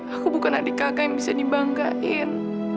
aku bukan adik kakak yang bisa dibanggain